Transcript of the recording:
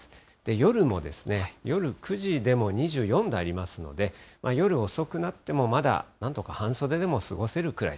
夜も、夜９時でも２４度ありますので、夜遅くなってもまだなんとか半袖でも過ごせるくらい。